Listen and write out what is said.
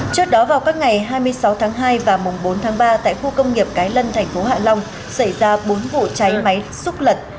trước đó vào các ngày hai mươi sáu tháng hai và mùng bốn tháng ba tại khu công nghiệp cái lân thành phố hạ long xảy ra bốn vụ cháy máy xúc lật